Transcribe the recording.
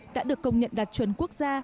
đã được công nhận đạt truyền quốc gia